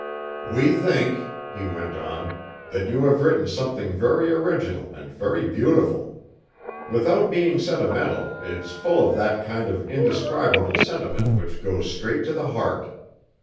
"We think," he went on, "that you have written something very original and very beautiful. Without being sentimental, it's full of that kind of indescribable sentiment which goes straight to the heart.